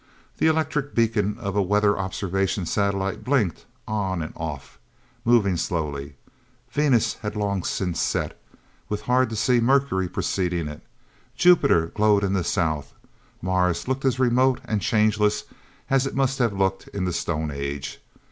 The electric beacon of a weather observation satellite blinked on and off, moving slowly. Venus had long since set, with hard to see Mercury preceding it. Jupiter glowed in the south. Mars looked as remote and changeless as it must have looked in the Stone Age.